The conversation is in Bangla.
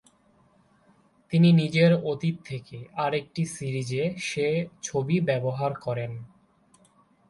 তিনি নিজের অতীত থেকে আরেকটি সিরিজে সে ছবি ব্যবহার করেন।